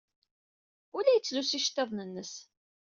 Ur la yettlusu iceḍḍiḍen-nnes.